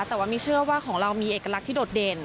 แต่ว่ามีเชื่อว่าของเรามีเอกลักษณ์ที่โดดเด่น